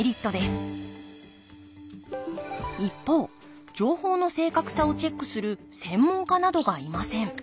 一方情報の正確さをチェックする専門家などがいません。